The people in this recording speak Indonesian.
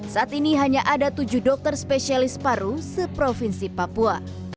saat ini hanya ada tujuh dokter spesialis paru seprovinsi papua